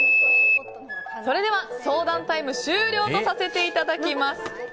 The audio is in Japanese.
それでは、相談タイム終了とさせていただきます。